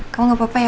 kamu gak apa apa ya